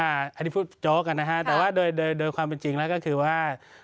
อันนี้พูดโจ๊กกันนะฮะแต่ว่าโดยความเป็นจริงแล้วก็คือว่า